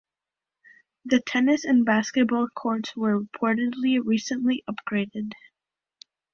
The tennis and basketball courts were reportedly recently upgraded.